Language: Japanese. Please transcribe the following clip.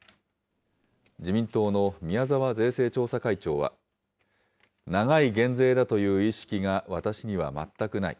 自民党の宮沢税制調査会長は、長い減税だという意識が私には全くない。